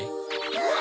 うわ！